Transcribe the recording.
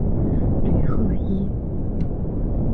吕赫伊。